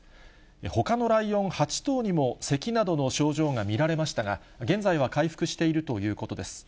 ほかのライオン８頭にもせきなどの症状が見られましたが、現在は回復しているということです。